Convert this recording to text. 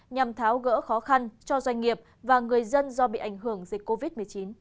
nhằm tháo gỡ khó khăn cho doanh nghiệp và người dân do bị ảnh hưởng dịch covid một mươi chín